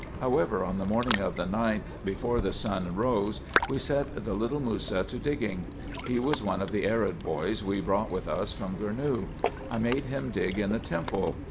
However, on the morning of the 9th, before the sun rose, we set the little Mussa to digging. He was one of the Arab boys we brought with us from Gournou. I made him dig in the temple.